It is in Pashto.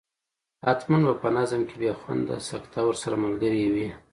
حتما به په نظم کې بې خونده سکته ورسره ملګرې وي.